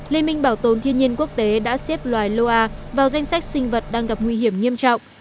liên minh bảo tồn thiên nhiên quốc tế đã xếp loài loa vào danh sách sinh vật đang gặp nguy hiểm nghiêm trọng